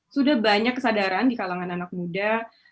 sudah banyak kesadaran di kalangan anak muda